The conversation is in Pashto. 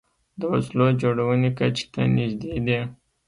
د وسلو جوړونې کچې ته نژدې دي